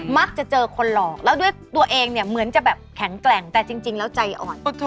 มักจะเจอคนหลอกแล้วด้วยตัวเองเนี่ยเหมือนจะแบบแข็งแกร่งแต่จริงแล้วใจอ่อน